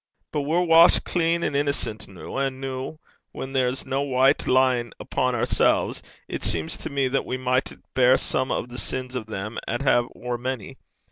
But we're washed clean and innocent noo; and noo, whan there's no wyte lying upo' oursel's, it seems to me that we micht beir some o' the sins o' them 'at hae ower mony.